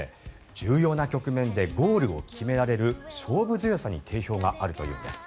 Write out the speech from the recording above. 重要な局面でゴールを決められる勝負強さに定評があるというんです。